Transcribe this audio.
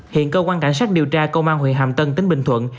hiện công an cảnh sát điều tra công an huyện hàm tân tỉnh bình thuận